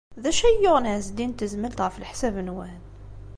D acu ay yuɣen Ɛezdin n Tezmalt, ɣef leḥsab-nwen?